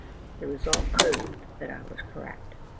The result proved that I was correct.